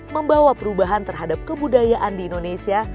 membawa perubahan terhadap kebudayaan di indonesia